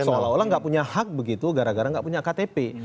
seolah olah nggak punya hak begitu gara gara nggak punya ktp